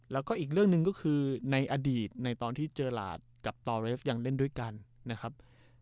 แล้วก็อีกเรื่องหนึ่งก็คือในอดีตในตอนที่เจอหลาดกับตอเรฟยังเล่นด้วยกันนะครับ